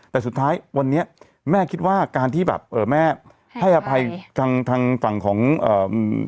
แต่สุดท้ายวันนี้แม่คิดว่าการที่แบบเอ่อแม่ให้อภัยทางทางฝั่งของเอ่อ